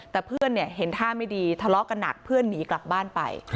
แต่เพื่อนเห็นท่าไม่ดีทะเลาะกันหนักเพื่อนหนีกลับบ้านไป